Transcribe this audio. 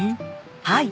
はい。